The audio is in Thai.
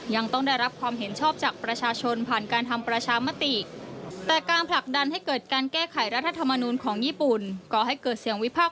ยังต้องได้รับความเห็นชอบจากประชาชนผ่านการทำประชามติ